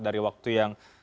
dari waktu yang